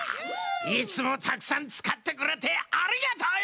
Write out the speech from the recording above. いつもたくさんつかってくれてありがとうよ！